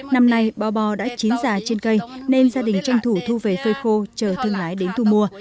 năm nay bò bò đã chín già trên cây nên gia đình tranh thủ thu về phơi khô chờ thương lái đến thu mua